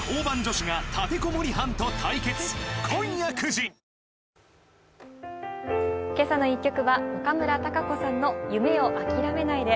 わぁ「けさの１曲」は岡村孝子さんの「夢をあきらめないで」。